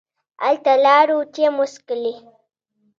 هلته ولاړو او چای مو وڅښلې.